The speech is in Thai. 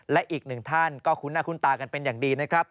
และอีกหนึ่งท่านก็คุ้นหน้าคุ้นตากันเป็นอย่างดีนะครับ